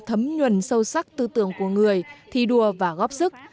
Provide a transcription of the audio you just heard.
thấm nhuần sâu sắc tư tưởng của người thi đua và góp sức